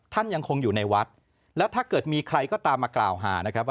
ท่านยังคงอยู่ในวัดแล้วถ้าเกิดมีใครก็ตามมากล่าวหานะครับว่า